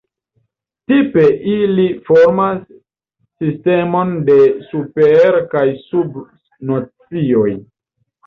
Tipe ili formas sistemon de super- kaj sub-nocioj.